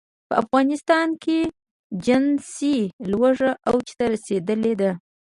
په افغانستان کې جنسي لوږه اوج ته رسېدلې ده.